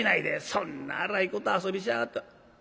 そんな荒いこと遊びしやがって。